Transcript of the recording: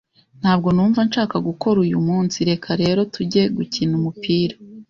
Ntabwo numva nshaka gukora uyu munsi, reka rero tujye gukina umupira.